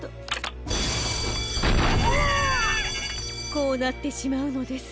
こうなってしまうのです。